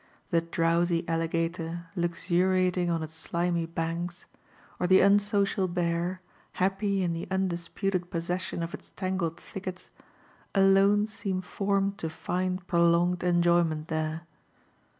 The drowsy alligator, luxuriating on its slimy banks, or the unsocial bear, happy in the undisputed possession of its tangled thickets, alone seem formed to find prolonged enjoyment there.